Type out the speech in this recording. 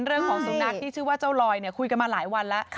เรื่องของสุนัขที่ชื่อว่าเจ้าลอยเนี่ยคุยกันมาหลายวันแล้ว